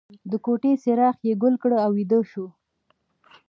د کوټې څراغ یې ګل کړ او ویده شو